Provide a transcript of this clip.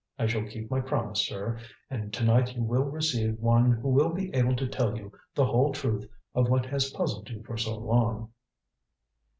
"I shall keep my promise, sir, and to night you will receive one who will be able to tell you the whole truth of what has puzzled you for so long."